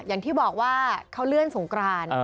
อย่างที่บอกว่าเขาเลื่อนสงกราน